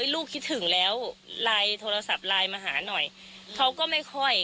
ลูกคิดถึงแล้วโทรศัพท์ไลน์มาหาหน่อย